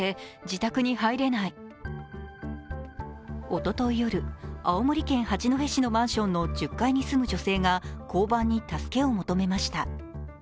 おととい夜、青森県八戸市のマンションの１０階に住む女性が交番に助けを求めました。